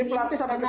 pelatih sama ketawa